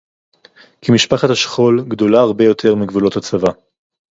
כי משפחת השכול גדולה הרבה יותר מגבולות הצבא